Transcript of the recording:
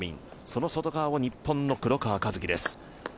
その外側を日本の黒川和樹です。